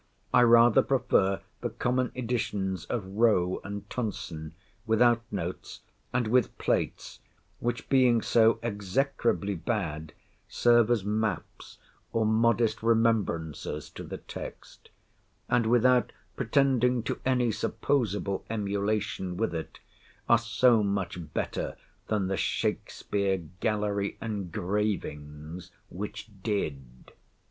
I rather prefer the common editions of Rowe and Tonson, without notes, and with plates, which, being so execrably bad, serve as maps, or modest remembrancers, to the text; and without pretending to any supposable emulation with it, are so much better than the Shakspeare gallery engravings, which did.